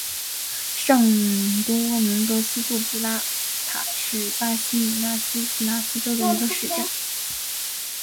圣多明戈斯杜普拉塔是巴西米纳斯吉拉斯州的一个市镇。